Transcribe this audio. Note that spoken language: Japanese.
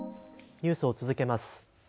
ニュースを続けます。